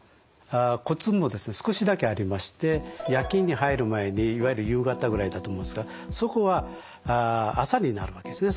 コツもですね少しだけありまして夜勤に入る前にいわゆる夕方ぐらいだと思うんですがそこは朝になるわけですね